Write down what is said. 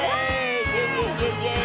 イエーイ！